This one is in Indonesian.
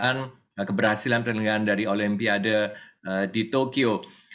dan juga bagaimana penyelenggaraan keberhasilan penyelenggaraan dari olimpiade di tokyo